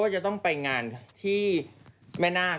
จากธนาคารกรุงเทพฯ